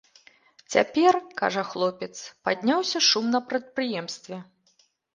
Цяпер, кажа хлопец, падняўся шум на прадпрыемстве.